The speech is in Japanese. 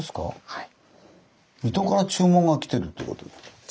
はい。